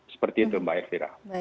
seperti itu mbak eftira